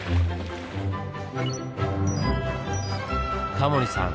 タモリさん